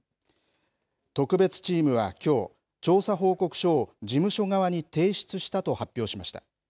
特別チームはきょう、調査報告書を事務所側に提出したと発表しました。